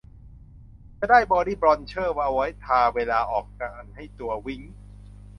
ก็จะได้บอดี้บรอนเซอร์เอาไว้ทาเวลาออกงานให้ตัววิ้ง